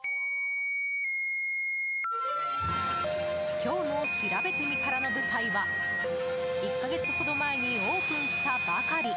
今日のしらべてみたらの舞台は１か月ほど前にオープンしたばかり。